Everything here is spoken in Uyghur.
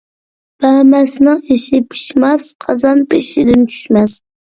بەرمەسنىڭ ئېشى پىشماس، قازان بېشىدىن چۈشمەس.